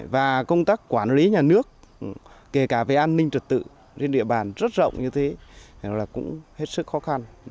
và công tác quản lý nhà nước kể cả về an ninh trật tự trên địa bàn rất rộng như thế là cũng hết sức khó khăn